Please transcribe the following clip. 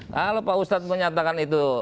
kalau pak ustadz menyatakan itu